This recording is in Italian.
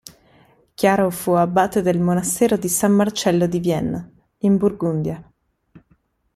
Chiaro fu abate del monastero di san Marcello di Vienne, in Burgundia.